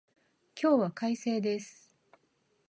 今日は快晴です。